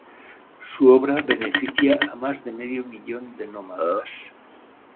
Su obra beneficia a más de medio millón de nómadas.